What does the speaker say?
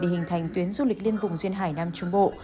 để hình thành tuyến du lịch liên vùng duyên hải nam trung bộ